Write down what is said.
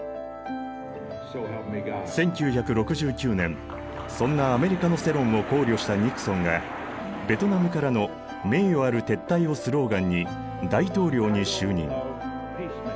１９６９年そんなアメリカの世論を考慮したニクソンがベトナムからの名誉ある撤退をスローガンに大統領に就任。